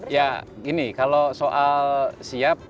ya gini kalau soal siap